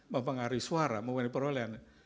mempengaruhi suara memulai perolahan